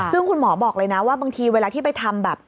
ซึ่งคุณหมอบอกเลยนะว่าบางทีเวลาที่ไปทำแบบ